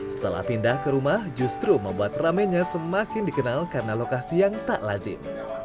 setelah pindah ke rumah justru membuat ramennya semakin dikenal karena lokasi yang tak lazim